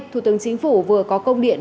thủ tướng chính phủ vừa có công điện